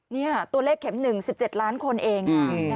เนี่ยตัวเลขเข็มหนึ่ง๑๗ล้านคนเอง